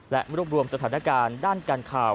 และรวบรวมสถานการณ์ด้านการข่าว